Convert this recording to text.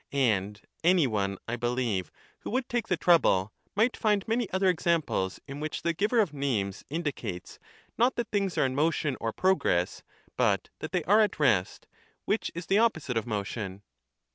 And any one I believe who would take the trouble might find many other examples in which the giver of names indi cates, not that things are in motion or progress, but that they are at rest ; which is the opposite of motion.